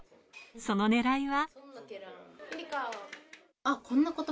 そのねらいは。